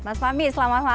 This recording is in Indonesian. mas fahmi selamat malam